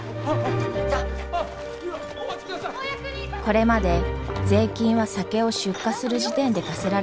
これまで税金は酒を出荷する時点で課せられていました。